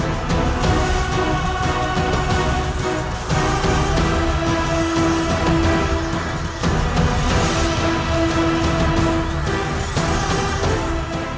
dia bersemangat untuk sembunyi